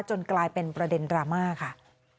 จนกลายเป็นประเด็นรามากันค่ะ